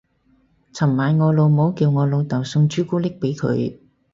尋晚我老母叫我老竇送朱古力俾佢